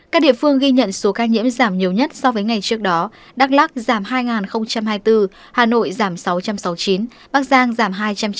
các địa phương ghi nhận số ca nhiễm giảm nhiều nhất so với ngày trước đó đắk lắc giảm hai nghìn hai mươi bốn hà nội giảm sáu trăm sáu mươi chín bắc giang giảm hai trăm chín mươi